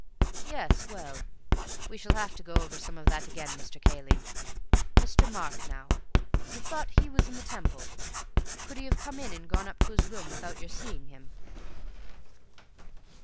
"Yes, well, we shall have to go over some of that again, Mr. Cayley. Mr. Mark, now. You thought he was in the Temple. Could he have come in, and gone up to his room, without your seeing him?"